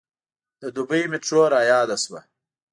د دوبۍ میټرو رایاده شوه.